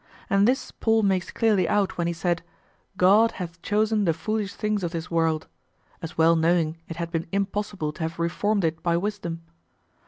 And this Paul makes clearly out when he said, "God hath chosen the foolish things of this world," as well knowing it had been impossible to have reformed it by wisdom.